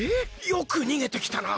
よくにげてきたな。